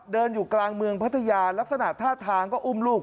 เดินอยู่กลางเมืองพัทยาลักษณะท่าทางก็อุ้มลูก